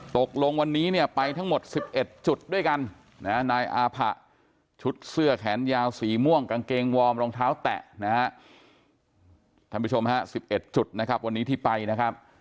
ตกลงวันนี้เนี่ยไปทั้งหมด๑๑จุดด้วยกันนะนายอาผะชุดเสื้อแขนยาวสีม่วงกางเกงวอร์มรองเท้าแตะนะฮะท่านผู้ชมฮะ๑๑จุดนะครับวันนี้ที่ไปนะครับ